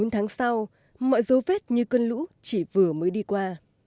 bốn tháng sau mọi dấu vết như cơn lũ chỉ vừa mới đi qua